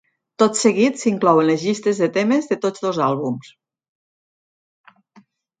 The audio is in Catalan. Tot seguit s'inclouen les llistes de temes de tots dos àlbums.